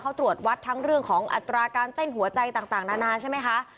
เขาตรวจวัดทั้งเรื่องของอัตราการเต้นหัวใจต่างนานาใช่ไหมคะ